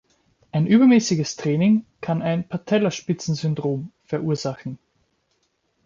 Ein übermäßiges Training kann ein Patellaspitzensyndrom verursachen.